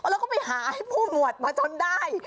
แล้วก็ไปหาให้ผู้หมวดมาจนได้